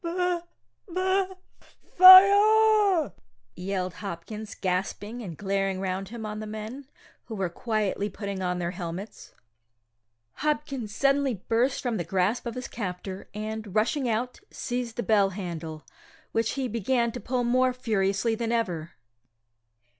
"B B Fire!" yelled Hopkins, gasping, and glaring round him on the men, who were quietly putting on their helmets. Hopkins suddenly burst from the grasp of his captor, and, rushing out, seized the bell handle, which he began to pull more furiously than ever.